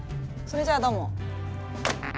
それじゃあどうも。